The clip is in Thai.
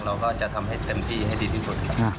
เราก็จะทำให้เต็มที่ให้ดีที่สุดครับ